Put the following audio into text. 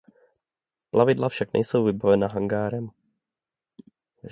Plavidla však nejsou vybavena hangárem.